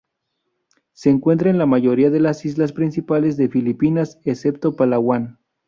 Se encuentra en la mayoría de las islas principales de Filipinas excepto Palawan.